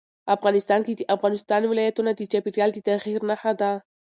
افغانستان کې د افغانستان ولايتونه د چاپېریال د تغیر نښه ده.